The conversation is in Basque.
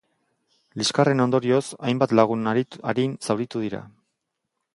Liskarren ondorioz, hainbat lagun arin zauritu dira.